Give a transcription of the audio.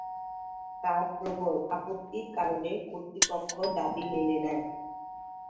তার প্রবল আপত্তির কারণে কর্তৃপক্ষ দাবী মেনে নেয়।